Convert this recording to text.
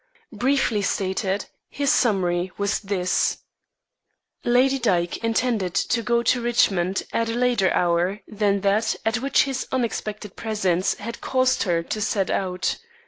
Briefly stated, his summary was this: Lady Dyke intended to go to Richmond at a later hour than that at which his unexpected presence had caused her to set out.